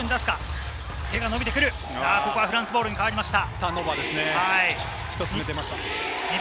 ここはフランスボールに変わりました。